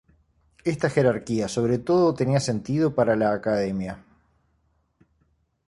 Esta jerarquía sobre todo tenía sentido para la Academia.